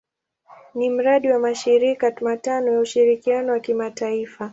Ni mradi wa mashirika matano ya ushirikiano wa kimataifa.